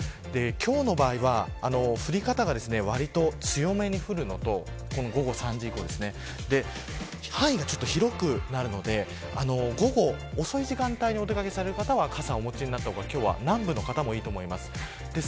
今日の場合は、降り方がわりと強めに降るのと範囲が広くなるので午後遅い時間帯に出掛ける方は傘をお持ちになった方が南部の方もいいと思います。